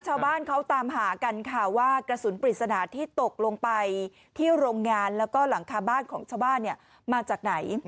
ชาวบ้านเขาตามหากันค่ะว่ากระสุนปริศนาที่ตกลงไปที่โรงงานแล้วก็หลังคาบ้านของชาวบ้านเนี่ยมาจากไหน